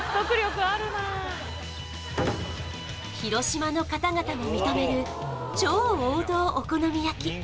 広島の方々も認める超王道お好み焼き